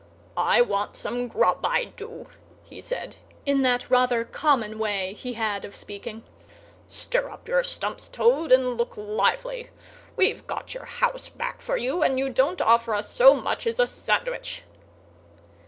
"I want some grub, I do," he said, in that rather common way he had of speaking. "Stir your stumps, Toad, and look lively! We've got your house back for you, and you don't offer us so much as a sandwich."